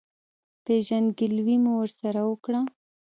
پېژندګلوي مو ورسره وکړه.